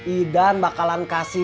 idan bakalan kasih